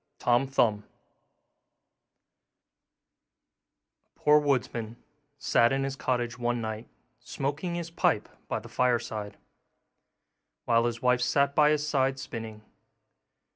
TOM THUMB A poor woodman sat in his cottage one night, smoking his pipe by the fireside, while his wife sat by his side spinning.